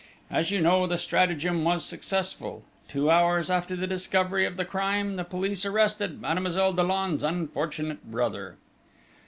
As you know, the stratagem was successful: two hours after the discovery of the crime, the police arrested Mademoiselle Dollon's unfortunate brother!"